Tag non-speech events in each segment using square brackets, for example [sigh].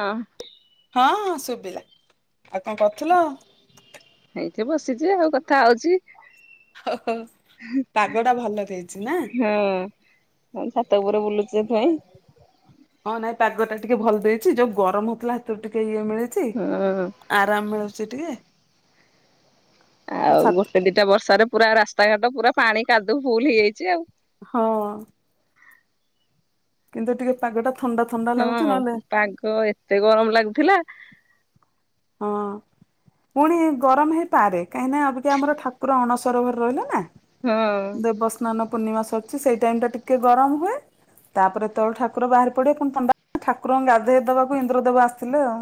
ହଁ। ହଁଁ ଶୁଭିଲା ଆଉ କଣ କରୁଥିଲ? ଠି ବସିଛି ଆଉ କଥା ହଉଛି। ଓହୋ ପାଗ ଟା ଭଲ ଦେଇଛି ନା? ହଁ ଛାତ ଉପରେ ବୁଲୁଚି ହେଇଥିପାଇଁ। ହଁ ନାଇଁ ପାଗ ଟା ଟିକେ ଭଲ ଦେଇଛି ଯୋଉ ଗରମ ହୋଉଥିଲା ସେଥିରୁ ଟିକେ ଇଏ ମିଳଛି ହଁ ଆରାମ ମିଳୁଛି ଟିକେ ତ ଆଉ ଛାତ ଗୋଟେ ଦିଟା ବର୍ଷାରେ ପୁରା ରାସ୍ତାଘାଟ ପୁରା ପାଣି କାଦୁ ଫୁଲ ହେଇଯାଇଛି ଆଉ। ହଁ। କିନ୍ତୁ ଟିକେ ପାଗଟା ହଁ ପାଗ ଏତେ ଗରମ ଲାଗୁଥିଲା ହଁ। ପୁଣି ଗରମ ହେଇପାରେ କାହିଁକି ନା ଅବିକା ଆମର ଠାକୁର ଅଣସର ଘରେ ରହିଲେ ନା ହଁ ଦେବସ୍ନାନ ପୂର୍ଣ୍ଣିମା ସରିଛି ସେଇ ଟାଇମ ଟା ଟିକେ ଗରମ ହୁଏ ତାପରେ ତେଳୁ ଠାକୁର ବାହାରି ପଡିବେ ପୁଣି ଥଣ୍ଡା। ଠାକୁରଙ୍କୁ ଗାଧେଇ ଦେବାକୁ ଇନ୍ଦ୍ର ଦେବ ଆସିିଥିଲେ ଆଉ।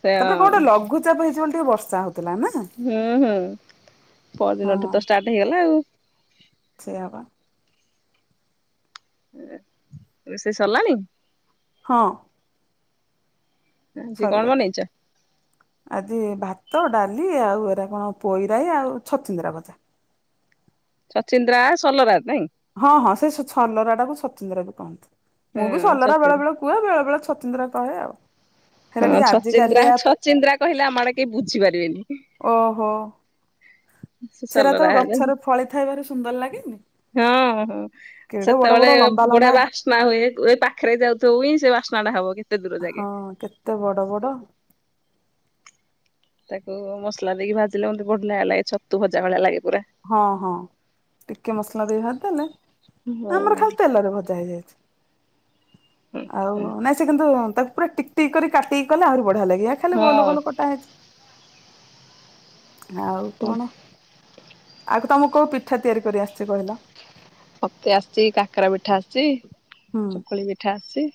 ସେ ତାପରେ କୋଉ ଗୋଟେ ଲଘୁଚାପ ହେଇଛିି ବୋଲି ଟିକେ ବର୍ଷା ହଉଛି ହୁଁ ହୁଁ ହଁ ପରଦିନଠୁ ତ ଷ୍ଟାର୍ଟ ହେଇଗଲା ଆଉ। ସେଇଆ ପା ଏ ରୋଷେଇ ସରିଲାଣି? ହଁ। ଆଜି କଣ ସରିଗଲା। ବନେଇଛ?? ଆଜି ଭାତ ଡାଲି ଆଉ ଏରା କଣ ପୋଇରାଇ ଆଉ ଛଚିନ୍ଦ୍ରା ଭଜା। [inaudible] ଛଚିନ୍ଦ୍ରା ସଲରା? ନାଇଁ ହଁ ହଁ ସେ ସ ଛ ସଲରାଟାକୁ ସଚିନ୍ଦ୍ରାବି କହନ୍ତି। ହଁ ମୁଁ ବି ସଲରା ବେଳେ ଛଚିନ୍ଦ୍ରା ବେଳେ କୁହ ବେଳେ ବେଳେ ଛଚିନ୍ଦ୍ରା କହେ ଆଉ। ହେରା ହଁ ଟିକେ ଛଚିନ୍ଦ୍ରା ଆଜିକାଲିଆ ଛଚିନ୍ଦ୍ରା କହିଲେ ଆମ ଆଡେ କେହି ବୁଝି ପାରିବେନି। ଓହୋ ସେରା ଯେତେବେଳେ ହେଲେ ଗଛରେ ଫଳି ଥାଏ ଭାରି ସୁନ୍ଦର ଲାଗେନି? ହଁ ହଁ କେଡେ ବଡ ସେତେବେଳେ ବଡ ଲମ୍ବା ବଢିଆ ଲମ୍ବା ବାସ୍ନା ହୁଏ ଏ ପାଖରେ ଯାଉଥିବ ହୁଏ ସେ ବାସ୍ନା ଟା ହବ କେତେ ଦୂର ଯାଗେ। ହଁ କେତେ ବଡ ବଡ। ତାକୁ ମସଲା ଦେଇକି ଭାଜିଲେ ମତେବଢିଆ ଲାଗେ ଛତୁ ଭଜା ଭଳିଆ ଲାଗେ। ପୁରା। ହଁ ହଁ ଟିକେ ମସଲା ଦେଇକି ଭାଜି ଦେଲେ ହଁ ଆମର ଖାଲି ତେଲରେ ଭଜା ହେଇଯାଏ। ଆଉ ହଁ ନାଇଁ ସେ କିନ୍ତୁ ତାକୁ ପୁରା ଟିକଟିକ କରି କାଟିକି କଲେ ଆହୁରି ବଢିଆ ଲାଗେ ୟା ଖାଲି ଗୋଲ ଗୋଲ କଟା ହେଇଛି। ଆଉ କଣ? ଆଗ ତମକୁ କୋଉ ପିଠା ତିଆରି କରି ଆସିଛି କହିଲ? ମତେ ଆସିଛି କାକେରା ପିଠା ଆସିଛି ହୁଁ ଚକୁଳି ପିଠା ଆସିଛି।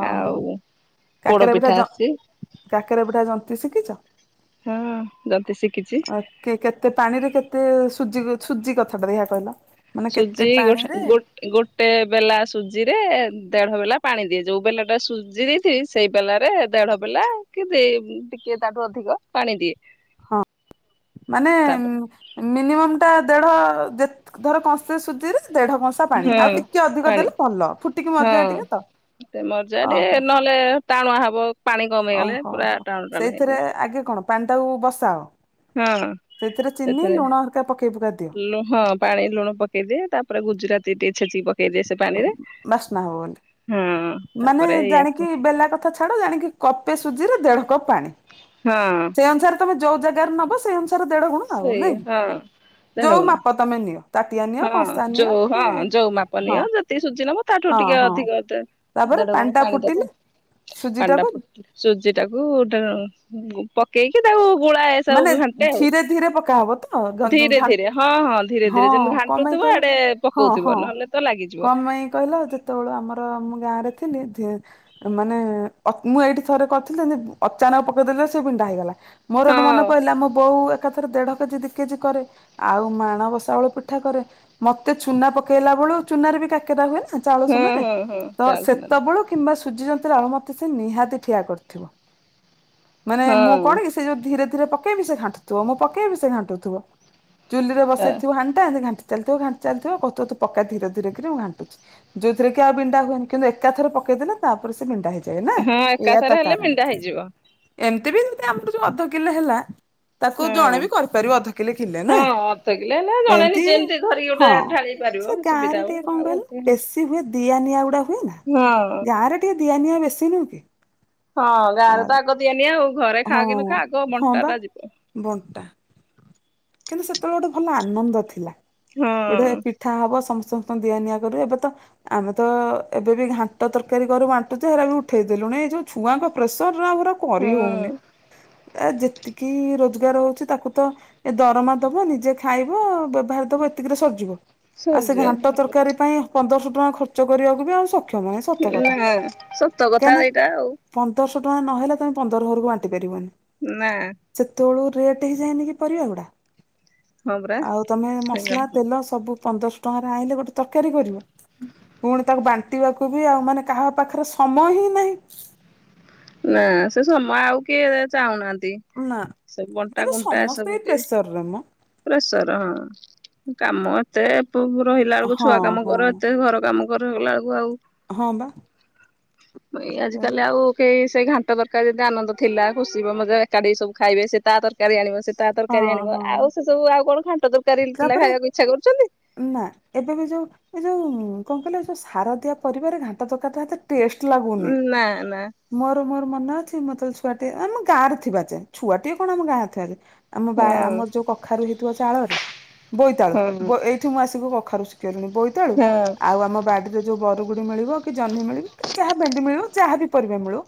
ଓହୋ ଆଉ ପୋଡ କାକେରା ପିଠା ଆସିଛି ଜନ-କାକେରା ପିଠା ଜନ୍ତୀ ଶିଖିଛ? ହଁ ଜନ୍ତି ଶିଖିଛି। ଆ କି କେତେ ପାଣିରେ କେତେ ସୁଜି? ସୁଜି କଥାଟା ଦେଖିଆ କହିଲ? ମାନେ କେତେ ସୁଜି ପାଣିରେ ଗୋଟେ-ଗୋଟେ ଗୋଟେ ବେଲା ସୁଜିରେ ଦେଢ ବେଲା ପାଣି ଦିଏ ଯୋଉ ବେଲା ଟା ସୁଜି ଦେଇଥିବି ସେଇ ବେଲାରେ ଦେଢ଼ ବଲା କି ଦେଇ ଟିକେ କି ତାଠୁ ଅଧିକ ପାଣି ଦିଏ। ହଁ ମାନେ ତାପରେ ଏ-ମିନିମମ୍ ଟା ଦେଢ ଯେ ଧର କଂସେ ସୁଜିରେ ଦେଢ କଂସା ପାଣି ଆଉ ହଁ ଟିକେ ଅଧିକ ଦେଲେ ଭଲ ଫୁଟିକି ମରିଯାଏ ଟିକେ ତ। ଏତେ ମର୍ଜା ଓହୋ ନହେଲେ ଟାଣୁଆ ହବ। ପାଣି କମ ହେଇଗଲେ ଓହୋ ପୁରା ହୋ ଟାଣ ଟାଣ ସେଇଥିରେ ହେଇଯାଏ। ଆଗେ କଣ ପାଣିଟାକୁ ବସାଅ ହଁ ସେଇଥିରେ ଚିନି ସେଥିରେ ଲୁଣ ହରିକା ପକେଇ ପୁକା ଦିଅ ଲୋ ହଁ ଲୁଣ ହଁ ପାଣି ଲୁଣ ପକେଇଦିଏ ତାପରେ ଗୁଜୁରାତି ଟିକେ ଛେଚିବ। ପକେଇଦିଏ ସେ ପାଣିରେ। ବାସ୍ନା ହବ ବୋଲି ହଁ ମାନେ ତାପରେ ୟାକୁ ଜାଣିକି ବେଲା କଥା ଛାଡ ଜାଣିକି କପେ ସୁଜିରେ ଦେଢ କପ ପାଣି ହଁ ସେ ଅନୁସାରେ ତମେ ଯୋଉ ଜାଗାରେ ନବ ସେ ଅନୁସାରେ ତାର ଦେଢ ଗୁଣ ଆଉ ସେଇ ନାଇଁ କି? ହଁ ଦେଢ ଯୋଉ ଗୁଣ ମାପ ତମେ ନିଅ। ତାଟିଆ ନିଅ ହଁ କଂସା ନିଅ ଯୋଉ କି ହଁ ଯୋଉ ମାପ ହଁ ନିଅ ଯେତିକି ସୁଜି ନବ ତାଠୁ ହଁ ଟିକେ ହଁ ଅଧିକ ଏତେ ତାପରେ ଦେଢ ଗୁଣ ଟା ପାଣି ଦବ ଫୁଟିଲେ ଆଉ। ସୁଜି କାଣ୍ଡା ଟାକୁ ଫଟ ସୁଜି ଟାକୁ ପକେଇକି ତାକୁ ଗୋଳାଏ ସବୁ ମାନେ ଘାଣ୍ଟେ ଆଉ ଧୀରେ ଧୀରେ ପକା ହବ ତ? ଘନ୍ ଘନ ଧୀରେ ଘଣ୍ଟ-ହଁ। ଧୀରେ ହଁ ଧୀରେ ହଁ ଧୀରେ ଯେମିତି କମେଇ ଘାଣ୍ଟୁଥିବ କହିଲ ଆଡେ ହଁ ପକଉଥିବ ହଁ ନହେଲେ ତ ଲାଗିଯିବ। କମେଇ କହିଲ ଯେତେବେଳ ଆମର ଆମ ଗାଁରେ ଥିଲି ଧି-ମାନେ ମୁଁ ଏଇଠି ଥରେ କରିଥିଲି ଅଚାନକ ପକେଇଦେଲି ସେ ବିଣ୍ଡା ହେଇଗଲା। ମୋର ହଁ ମନେ ପଇଲା ମୋ ବୋଉ ଏକାଥରେ ଦେଢ କେଜି ଦି କେଜି କରେ ଆଉ ମାଣବସଉଳ ପିଠା କରେ ମତେ ଚୁନା ପକେଇଲା ବେଳୁ ଚୁନାରେ କାକେରା ହୁଏ ନା ଚାଉଳ ହଁ ଚୂନା ରେ ହଁ ହଁ ତ ଚାଲୁଚି ନ ସେତେବେଳୁ କିମ୍ବା ସୁଜି ଯନ୍ତାରେ ଆଉ ମତେ ସେ ନିହାତି ଠିଆ କରିଥିବ ମାନେ ମୁଁ ହଁ କଣ କି ସେ ଯୋଉ ଧୀରେ ରେ ପକେଇବି ସେ ଘାଟୁଥିବଁ ମୁ ପକେଇବି ସେ ଘାଣ୍ଟୁଥିବ ଚୁଲିରେ ହଁ ବସେଇଥିବୁ ହାଣ୍ଡି ଟା ଏମିତି ଘଣ୍ଟୁ ଚାଲିିଥିବ ଘାଣ୍ଟି ଚାଲିଥିବ କହୁଥିବ ତୁ ପକା ଧୀରେ ଧୀରେ କିରି ମୁଁ ଘାଣ୍ଟୁଛି ଯୋଉଥିରେ କି ଆଉ ବିଣ୍ଡା ହୁଏନି କିନ୍ତୁ ଏକାଥର ପକେ ପକେଇ ଦେଲେ ତାପରେ ସେ ବିଣ୍ଡା ହେଇଯାଏ ନା ଏୟା ଏକାଥରେ ତା ହେଲେ କାରଣ। ମେଣ୍ଡା ହେଇଯିବ ଏମିତି ବି ଏମିତିରେ ଆମ କୁ ଯୋଉ ଅଧ କିଲେ ହେଲା ତାକୁ ଜଣେ ହଁ। ବି କରିପାରିବ ଅଧକିଲେ କିଲେ ନା? ହଁ ଅଧ କିଲେ ହେଲେ ଜଣେ ଏମିତି ନିଜେ ଧରିକି ଗୋଟେ ହଁ। ଢାଳି ପାରିବ ସେ ଗାଁ ସୁବିଧା ରେ ହବ ଟିକେ କଣ ଆଉ ହଁ। କହିଲୁ ଏସି ହୁଏ ଦିଆନିଆ ଗୁଡା ହୁଏ ନା ଗାଁରେ ଟିକେ ଦିଆନିଆ ବେଶି ନୁହଁ। କି ହଁ ଗାଁରେ ଆଉ ତ ଆଗ ଦିଆନିଆ ଆଉ। ଘରେ ଖା ହଁ କି ନା ଖା ଆଗ ହଁ ବଣ୍ଟା ବା ଟା ଯିବ। ବଣ୍ଟା କିନ୍ତୁ ସେତେବେଳେ ଗୋଟେ ଭଲ ଆନନ୍ଦ ଥିଲା ଗୋଟେ ହଁ। ପିଠା ହବ ସମସ୍ତେ ସମସ୍ତଙ୍କୁ ଦିଆ ନିଆ କରୁ ଏବେ ତ ଆମେ ତ ଏବେ ବି ଘାଣ୍ଟ ତରକାରୀ କରୁ ବାଣ୍ଟୁଛ ହେରା ବି ଉଠେଇଦେଲୁଣି ଏଇ ଯୋଉ ଛୁଆଙ୍କ ପ୍ରେସର ରୁ ଆଉ ଏଗୁରା କରି ହଁ ହଉନି ଏ ଯେ ତିକି ରୋଜଗାର ହଉଛି ତାକୁ ତ ଏ ଦରମା ଦବ ନିଜେ ଖାଇବ ଧରି ଦବ ଏତିକିରେ ସରିଯିବ। ଆଉ ସେ ସରିଯିବ ଘାଣ୍ଟ ତରକାରୀ ପାଇଁ ପନ୍ଦର ଶହ ଟଙ୍କା ଖର୍ଚ୍ଚ କରିବାକୁ ବି ସ କ୍ଷମଣେ ସତ କଥା। ନା ସତ କାଇଁ କଥା କିନା ଏଇଟା ଆଉ ପନ୍ଦର ସ ସହ ଟଙ୍କା ନହେଲେ ତମେ ପନ୍ଦର ଘରକୁ ବାଣ୍ଟି ପାରିବନି। ନା। ରେଟ ହେଇଯାଇନିକି ପରିବା ଗୁଡା, ହଁ ପରା ଆଉ ତମେ ସେଇଆ। ମସଲା ତେଲ ସବୁ ପନ୍ଦରଶହ ଟଙ୍କାରେ ଆଣିଲେ ଗୋଟେ ତରକାରୀ କରିବ। ପୁଣି ତାକୁ ବାଣ୍ଟି କଟିବାକୁ ବି ଆଉ ମାନେ କାହା ପାଖରେ ସମୟ ହିଁ ନାହିଁ। ନା ସେ ସମୟ ଆଉ କିଏ ଚାହୁଁନାହାନ୍ତି। ଦି, ନା ସବୁ ବଣ୍ଟା ଏବେ କୁଣ୍ଟା ସମସ୍ତେ ସବୁ ଏଇ କି, ପ୍ରେସରରେ ମ। ପ୍ରେସର ହଁ। କାମ ଏତେ ପ-ରହିଲା ବେଳକୁ, ହଁ ଛୁଆ କାମ ହଁ କର, ଏତେ ଘର କାମ କର ହେଲା ବେଳକୁ ଆଉ ହଁ ବା। ଏଇ ଆଜି କାଲି ଆଉ ସେ କେହି ସେଇ ଘାଣ୍ଟ ତରକାରି କେତେ ଆନନ୍ଦ ଥିଲା। ଖୁସି ମନ ଯୋଉ ଏକାଠି ସବୁ ଖାଇବେ। ସେ ତା ତରକାରୀ ଆଣିବ, ସେ ତା ତରକାରୀ ହଁ ଆଣିବ ହଁ। ଆଉ ସେ ସବୁ ଆଉ କଣ ଘାଣ୍ଟ ତରକାରୀ ପିଲା ତାପରେ ଖାଇବାକୁ ଇଚ୍ଛା କରୁଛନ୍ତି। ନା ଏବେ ବି ଯୋଉ, ଏ ଯୋଉ କଣ କହିଲେ? ଏ ଯୋଉ ସାର ଦିଆ ପରିବାରେ ଘାଣ୍ଟ ତରକାରି ଟା ଏତେ ଟେଷ୍ଟ ଲାଗୁନି। ନା ନା ମୋର ତୋର ମନେ ଅଛି? ମୁଁ ଯେତେବେଳେ ଛୁଆଟିଏ -ଆମ ଗାଁରେ ରେ ଥିବା ଯାଏ, ଛୁଆଟିଏ କଣ ଆମ ଗାଁରେ ଆଗ ଆମ ହଁ ବା- ଆମର ଯୋଉ କଖାରୁ ହେଇଥିବ ଚାଳରେ ବୋଇତାଳୁ। ହଁ ଏଇଠି ମୁଁ ଆସିକି କଖାରୁ ଶିଖି ଗଲିଣି, ବୋଇତାଳୁ ହଁ ଆଉ ଆମ ବାଡିରେ ଯୋଉ ବରୁ ବରୁଡି ମିଳିବ କି ଜହ୍ନି ମିଳିବ କି ଯାହା ଭେଣ୍ଡି ମିଳୁ କି ଯାହା ବି ପରିବା ମିଳୁ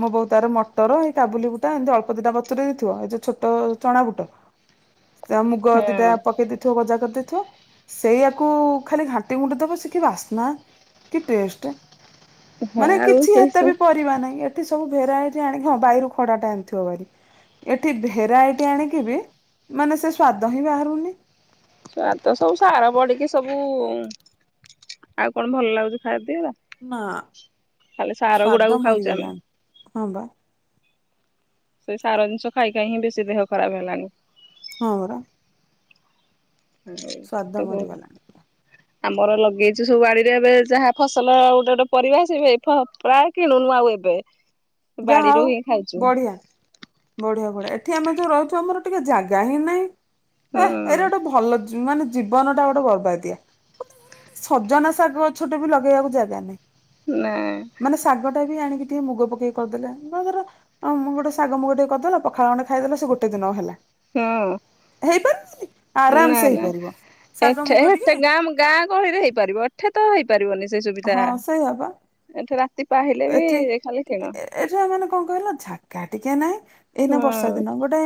ମୋ ବୋଉ ତାର ମଟର, ଏଇ କାବୁଲି ବୁଟ ଏମିତି ଅଳ୍ପ ଦିଟା ବତୁରାଇ ଥିବ ଏ ଯୋଉ ଛୋଟ ଚଣା ବୁଟ ସେ ମୁୁଗ ଦିଟା ହଁ। ଥିବ ଗଜା କରିଦେଇଥିବ। ସେଇଆକୁ ଖାଲି ଘାଣ୍ଟି ଘୁଣ୍ଟି ଦବସେ କି ବାସ୍ନା। କି ଟେଷ୍ଟ, ମାନେ ଆଉ କିଛି ସେ ଏତେ ବି ପରିବା ନାହିଁ। ଏଠି ସବୁ ଭେରାଇଟି ଆଣିକି, ହଁ ବାଇରୁ ଖଡା ଟା ଆଣିଥିବ ହାରି ଏଠି ଭେରାଇଟି ଆଣିକି ବି, ମାନେ ସେ ସ୍ଵାଦ ହିଁ ବାହାରୁନି। ସ ତ ସବୁ ସାର ପଡିକି ସବୁ, ଆଉ କଣ ଭଲ ଲାଗୁଛି ଖାଇବା ଏଉରା। ନା। ଖାଲି ସାର ସ୍ଵାଦ ଗୁଡାକୁ ଖାଉଛୁ ଆମେ। ମରିଗଲାଣି ହଁ ବା ସେଇ ସାର ଜିନିଷ ଖାଇ ଖାଇ ହିଁ ବେଶୀ ଦେହ ଖରାପ ହେଲଣିି। ହଁ ପରା ହ ସ୍ଵାଦ [unintelligible] ମରିଗଲାଣି ପୁରା ଆମର ଲଗେଇଛୁ ସବୁ ବାଡିରେ ଏବେ ଯାହା ଫସଲ ଗୋଟେ ଗୋଟେ ପରିବା, ଆସିବ ପ୍ରାୟ କିଣୁନୁ ଆଉ। ଦେବେ। ଯାହା ହଉ, ବଢିଆ- ବଢିଆ -ବଢିଆ ଏଠି ଆମେ ଯୋଉ ରହୁଛୁ ଆମର ଟିକେ ଜାଗା ହିଁ ନହିଁ। ଏ ହୁଁ ଏରା ଗୋଟେ ଭଲ, ଯେ ମାନେ ଜୀବନ ଟା ଗୋଟେ ବର୍ବାଦିଆ। ସଜନା ଶାଗ ଗଛଟେ ବି ଲଗେଇବାକୁ ଜାଗା ନାହିଁ। ନା। ମାନେ ଶାଗ ଟା ବି ଆଣି ଟିକେ ମୁଗ ପକେଇ କରିଦେଲେ। ଧର ଗୋଟେ ଶାଗ ମୁ ଟିକେ କରିଦେଲ ପଖାଳ ଗଣ୍ଡେ ଖାଇଦେଲ ସେ ଗୋଟେ ଦିନ ହେଲା। ହୁଁ। ହେଇପାରୁନି ନା ଆରାମସେ ନା ହେଇପାରିବ ଶାଗ ଏଠି, ମୁଗ ହେଠି ଟିକେ ଗାଁ ଗହଳିରେ ହେଇପାରିବ, ଏଠେ ତ ହେଇ ହଁ ସେୟା ବା। ଏଠି ରାତି ପାହିଲେ ବି ଏଠି ଖାଲି କିଣ ଏଠିକା ମାନେ କ କଣ କହିଲ। ଜାଗା ଟିକେ ନାଇଁ। ହଁ ଏଇନା ବର୍ଷା ଦିନ ଗୋଟେ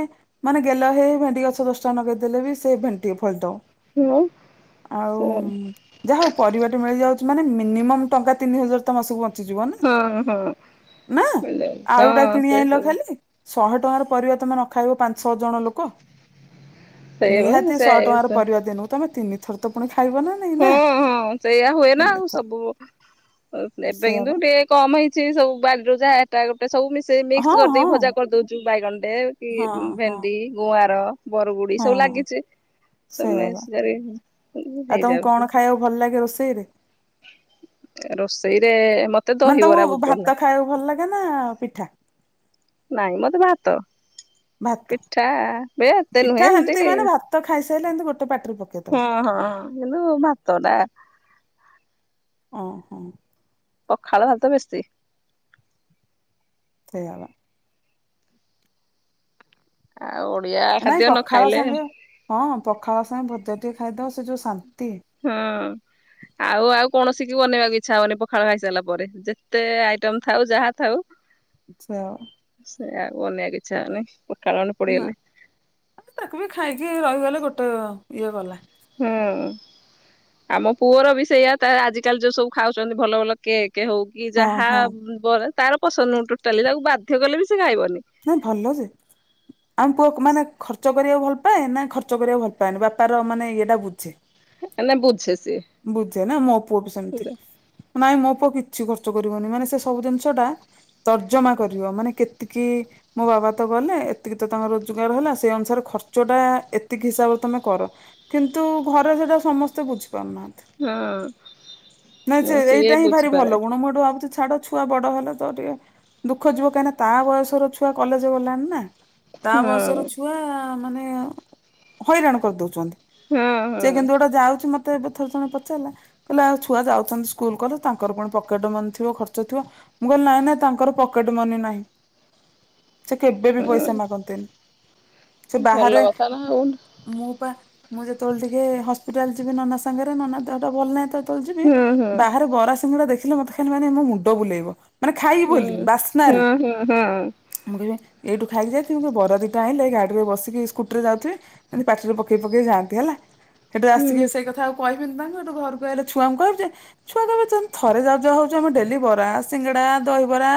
ମାନେ ଗେଲ ହେଇ ହେଇ ଭେଣ୍ଡି ଗଛ ଦଶଟା ନଗେଇ ଦେଲେ ବି ସେ ଭେଣ୍ଡି ଫଳିଥିବ। ହଁ ଆଉ ଯାହା ହଉ, ପରିବା ଟେ ମିଳିଯା ମାନେ ମିନି ମମ୍ ଟଙ୍କା ତିନି ହଜାର ତ ମାସକୁ ବଞ୍ଚିଯିବ। ନା ହଁ ହଁ ହଁ ନା ଆଳୁ ଟା କିଣି ସେ ଆଣିଲ ସବୁ ଖାଲି? ଶହେ ଟଙ୍କାର ପରିବା ତୁମେ ନଖାଇବ ପାଞ୍ଚଛଅ ଜଣ ଲୋକ? ସେଇ ବା ନିହାତି ସହେ ଟଙ୍କାର ସେ ପରିବା ଦିନକୁ ତମେ ତିନି ଥର ତ ପୁଣି ଖା ହଁ ହଁ ସେଇୟଆ ହୁଏ ନା ଆଉ ତିନିଥର ସବୁ ଏବେ ସେଇଆ କିନ୍ତୁ ବା ଟିକେ କମ ହେଇ ସବୁ ବାଡି ର ଯାହାଟା ଗୋଟେ ସବୁ ମିଶ ସେ ମିକ୍ସ ହଁ ହଁ କରିଦେଇ ଭଜା କରିଦଉଛୁ ବାଇଗଣେ କି ହଁ ହଁ ଭେଣ୍ଡି ଗୁଆର ବରଗୁଡି ସବୁ ହଁ ଲାଗିଛି। ସେଇଆ ସମେସ ବା ଆଉ ତମକୁ କଣ ଖାଇବାକୁ ଭଲ ଲାଗେ ରୋଷେଇରେ? ରୋଷେଇରେ ମତେ ମାନେ ଦହିବରା ତମକୁ ବହୁତ ଭଲ ଭାତ ଲାଗେ ଖାଇବାକୁ ଭଲ ଲାଗେ ନା ପିଠା। ନାଇଁ ମତେ ଭାତ। ଭାତ ପିଠା ବେ ଏତେ ନୁହଁ ଏମିତି। ସେଇଟା ପ ହଁ ହଁ କିନ୍ତୁ ଭାତଟା। ଓହୋ। ପଖାଳ ଭାତ ବେଶି। ସେଇୟାପା। ଆଉ ଓଡିଆ ନାଇଁ ଖାଦ୍ୟ ନ ପଖାଳ ଖାଇଲେ ସାଙ୍ଗେ ହଁ ପଖାଳ ସାଙ୍ଗେ ଭଜା ଟିକେ ଖାଇଦବ ସେ ଯୋଉ ଶାନ୍ତି। ହଁ ଆଉ ଆଉ କୌଣସି କି ବନେଇବାକୁ ଇଚ୍ଛା ହବନି ପଖାଳ ଖାଇ ସାରିଲା ପରେ ଯେତେ ଆଇଟମ୍ ଥାଉ ଯାହା ଥାଉ। ଆଚ୍ଛା। ଏ ଆଉ ଅନେଇବାକୁ ଇଚ୍ଛା ହୋଉନି। ନା ତାକୁ ବି ଖାଇକି ରହିଗଲେ ଗୋଟେ ଇଏ ଗଲା। ହୁଁ। ଆମ ପୁଅର ବି ସେଇଆ ତ ଆଜିିକାଲି ଯୋଉ ସବୁ ଖାଉଛନ୍ତି ଭଲ ଭଲ କେକ୍। କେ ହୋଉ କି ହଁ ଯାହା ହଁ ତାର ପସନ୍ଦ ନ ଟୋଟାଲି ତାକୁ ବାଧ୍ୟ କଲେ ବି ସେ ଖାଇବନି। ନା ଭଲ ଯେ ଆମ ପୁଅ ମାନେ ଖର୍ଚ୍ଚ କରିବାକୁ ଭଲ ପାଏ ନା ଖର୍ଚ୍ଚ କରିବାକୁ ଭଲ ପାଏନି ବାପାର ମାନେ ଇଟା ବୁଝେ। ହେଲେ ବୁଝେ। ସିଏ ବୁଝେ ନା ମୋ ପୁଅ ବି ସେମିତି ପୁରା ନାଇଁ ମୋ ପୁଅ କିଛି। ସେ ଖର୍ଚ୍ଚ କରିବନି ମାନେ ସେ ସବୁ ଜିନିଷ ଟା ତର୍ଜମା କରିବ ମାନେ କେତିକି ମୋ ବାବା ତ କଲେ ଏତିକି ତ ତାଙ୍କ ରୋଜଗାର ହେଲା ସେଇ ଅନୁସାରେ ଖର୍ଚ୍ଚ ଟା ଏତିକି ହିସାବରେ ତମେ କର କିନ୍ତୁ ମୁଁ ଘରେ ସେଟା ସମସ୍ତେ ବୁଝୁ ହଁ ନାଇଁ ସେ ସିଏ ଏଇଟା ହିଁ ଭାରି ବୁଝିପାରେ ଭଲ ଗୁଣ ମୁଁ ଏଠୁ ଭାବୁଛି ଛାଡ ଛୁଆ ବଡ ହେଲେ ତ ଟିକେ ଦୁଃଖ ଯିବ କାହିଁକି ନା ତା ବୟସର ଛୁଆ କଲେଜ ଗଲାଣି ନା। ତା ବୟସର ହଁ। ଛୁଆ ମାନେ ହଇରାଣ କରିଦୋଉଛନ୍ତି। ହଁ ସେ ହଁ କିନ୍ତୁ ଗୋଟେ ଯାଉଛି ମ ତ ଏବେ ଥରେ ଜଣେ ପଚାରିଲା କହିଲେ ଆଉ ଛୁଆ ଯାଉଛନ୍ତି ସ୍କୁଲ କଲେ ତାଙ୍କର କଣ ପକେଟ ମନି ଥିବ ଖର୍ଚ ଥିବ। ମୁଁ କହିଲି ନାଇଁ ନା ତାଙ୍କର ପକେଟ ମନି ନାହିଁ। ସେ କେବେ ବି ହଁ ପଇସା ମାଗନ୍ତିନି। ସେ ଭଲ ବାହାରେ କଥା ନା ଆଉ ମୁଁ ପା ମୁଁ ଯେତେବେଳେ ଟିକେ ହସ୍ପିଟାଲ ଯିବି ନନା ସାଙ୍ଗରେ ନନା ଦେଟା ଭଲ ନାହିଁ ତ ଯିବି ହୁଁ ହୁଁ ବାହାରେ ବରା ସିଙ୍ଗଡା ଦେଖିଲେ ମତେ ଖାଲି ମାନେ ମୋ ମୁଣ୍ଡ ବୁଲେଇବ। ମାନେ ଖାଇବି ବୋଲି ହୁଁ। ବାସ୍ନାରେ ହଁ ହଁ ହଁ ମୁଁ କହିବି ଏଇଠୁ ଖାଇକି ଯାଇଥିବୁ କି ବରା ଦିଟା ଆଣିଲେ ଗାଡି ରେ ବସିକି ସ୍କୁଟି ରେ ଯାଉଥିବେ ଏମ ପାଟିରେ ପକେଇ ପକେଇ ଯାଆନ୍ତି ହେଲା। ସେଠୁ ହୁଁ ଆସିକି ସେଇ କଥା ଆଉ ମୁଁ କିନ୍ତୁ ତାଙ୍କୁ ଘରୁ ଘରକୁ ଅଇଲେ ଛୁଆଙ୍କୁ କହି ଦିଏ ଛୁଆ ତମେ ଯେନ୍ତି ଥରେ ଯାଉ ଯାଉ ହୋଉଚ ଆ ମୁଁ ଡେଲି ବରା ସିଙ୍ଗଡା ଦହିବରା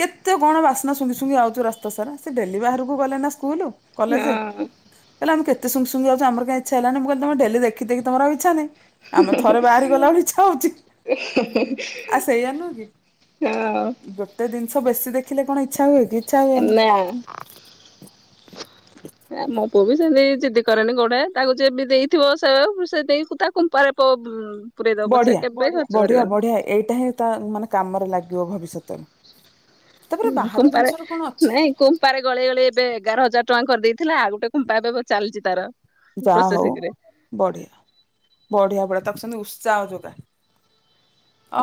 କେତେ କଣ ବାସ୍ନା ଶୁଙ୍ଗି ଶୁଙ୍ଗି ଆଉଛୁ ରାସ୍ତା ସାରା ସେ ଡେଲି ବାହାରକୁ ଗଲେ ନା ସ୍କୁଲୁ। କଲେଜ ହଁ କହିଲେ ଆମେ କେତେ ସୁଙ୍ଗି ସୁଙ୍ଗି ଯାଉଛୁ ଆମର କାଇଁ ଇଚ୍ଛା ହେଲାନି ମୁଁ କହିଲି ତମେ ଡେଲି ଦେଖିକି ତମର ଆଉ ଇଚ୍ଛା ନାହିଁ। ଆମେ ଥରେ ବାହାରି କି ଗଲେ ଆମର ଇଚ୍ଛା ହୋଉଛି ଆ ସେଇଆ ନୁହୁଁ କି। ହଁ। ଗୋଟେ ଜିନିଷ ବେଶୀ ଦେଖିଲେ କଣ ଇଚ୍ଛା ହୁଏ କି? ଇଚ୍ଛା ହୁଏନି। ହେନା ଆଉ ନା ମତେ ବି ସେମିତି ଜିଦ୍ଦି କରେନି ଗୋଟେ ତାକୁ ଯିଏ ବି ଦେଇଥିବ ସେ ସେ ଦେଇ ତା କୁମ୍ପାରେ ପ ବଢିଆ ବଢିଆ ବଢିଆ ଏଇଟା ହିଁ ତା ମାନେ କାମରେ ଲାଗିବ ଭବି ସତରେ। କୁମ୍ପାରେ ନାଇଁ କୁମ୍ପାରେ ଗଳେଇ ଗଳେଇ ଏବେ ଏଗାର ହଜାର ଟଙ୍କା କରିଦେଇ ଥିଲା ଆଉ ଗୋଟେ କୁମ୍ପା ଏବେ ଚାଲିଛି ତାର। ଯାହା ହଉ ପ୍ରୋସେସିଂ ରେ ବଢିଆ ବଢିଆ ବଢିଆ ତାକୁ ସେମତି ଉସ ଚାଓ ଯୋଗା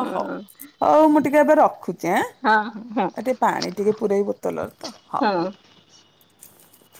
ଅ ହଉ ହଉ ମୁଁ ଟିକେ ଏବେ ରଖୁଛି ଆଁ। ହଁ ହଁ ଏ ଟିକେ ପାଣି ଟିକେ ପୁରଇବି ବୋତଲରେ ତ ହଁ। ହଁ।